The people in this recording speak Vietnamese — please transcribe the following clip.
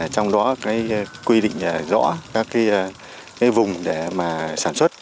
trong đó quy định rõ các vùng để mà sản xuất